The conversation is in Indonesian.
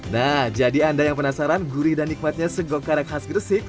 nah jadi anda yang penasaran gurih dan nikmatnya segokar khas gresik